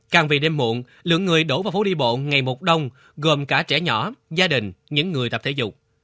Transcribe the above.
càng về đêm muộn lượng người đổ vào phố đi bộ ngày một đông gồm cả trẻ nhỏ gia đình những người tập thể dục